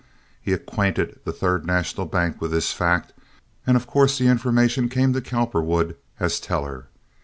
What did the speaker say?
He acquainted the Third National Bank with this fact, and of course the information came to Cowperwood as teller.